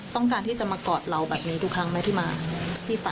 ต้องการที่จะมากอดเราแบบนี้ทุกครั้งไหมที่มา